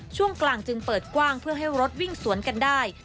ช่วงกลางจึงเปิดกว้างเพื่อให้รถวิ่งสวนกันได้